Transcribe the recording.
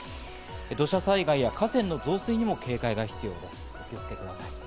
土砂災害や河川の増水にも警戒が必要です。